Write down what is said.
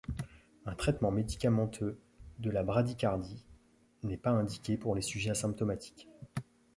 Un traitement médicamenteux de la bradycardie n'est pas indiqué pour les sujets asymptomatiques.